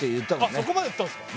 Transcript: そこまでいったんですか？